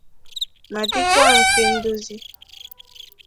ma dịkwa mfe ndozi